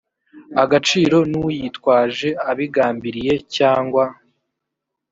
agaciro n uyitwaje abigambiriye cyangwa